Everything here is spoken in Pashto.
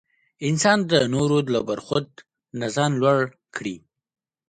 انسان د نورو له برخورد نه ځان لوړ کړي.